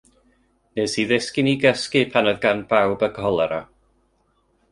Wnes i ddisgyn i gysgu pan oedd gan bawb y colera.